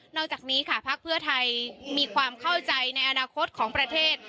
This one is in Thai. อกจากนี้ค่ะพักเพื่อไทยมีความเข้าใจในอนาคตของประเทศ